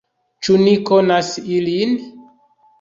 Ĉu ni konas ilin?